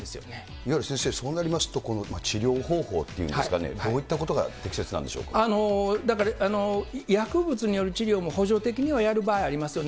いわゆる先生、そうなりますと、この治療方法というんですかね、どういったことが適切なんで薬物による治療も補助的にはやる場合ありますよね。